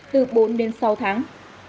cho người tham gia giao thông